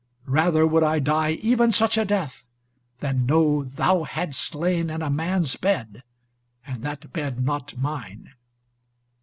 Rather would I die even such a death, than know thou hadst lain in a man's bed, and that bed not mine."